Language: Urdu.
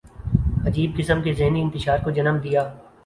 عجیب قسم کے ذہنی انتشار کو جنم دیا۔